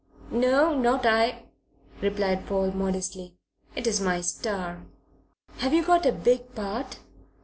"No, not I," replied Paul modestly. "It is my star." "Have you got a big part?"